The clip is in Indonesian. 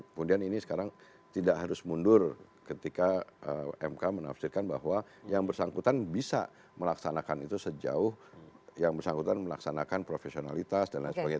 kemudian ini sekarang tidak harus mundur ketika mk menafsirkan bahwa yang bersangkutan bisa melaksanakan itu sejauh yang bersangkutan melaksanakan profesionalitas dan lain sebagainya